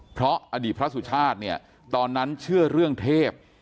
เพราะอดีตพระสุชาติเนี่ยตอนนั้นเชื่อเรื่องเทพ